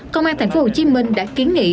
công an tp hcm đã kiến nghị